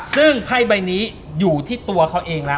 ซึ่งไพ่ใบนี้อยู่ที่ตัวเขาเองแล้ว